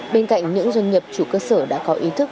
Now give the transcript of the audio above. bên cạnh những doanh nghiệp chủ cơ sở đã có ý thức